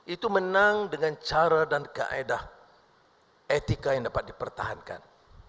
itu menang dengan cara dan kaedah etika yang dapat dipertahankan